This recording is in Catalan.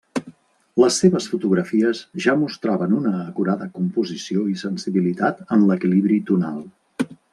Les seves fotografies ja mostraven una acurada composició i sensibilitat en l'equilibri tonal.